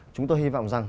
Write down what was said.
chúng tôi hy vọng rằng